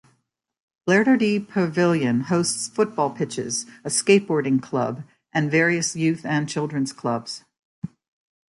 Blairdardie Pavilion hosts football pitches, a skateboarding club and various youth and children's clubs.